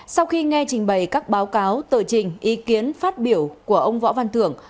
sau khi nghe trình bày các báo cáo tờ trình ý kiến phát biểu của ông võ văn thưởng